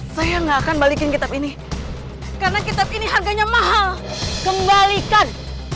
saya gak akan balikin kitab ini karena kita punya harganya mahal kembalikan